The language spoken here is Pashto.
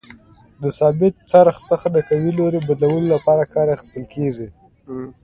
د ثابت څرخ څخه د قوې لوري بدلولو لپاره کار اخیستل کیږي.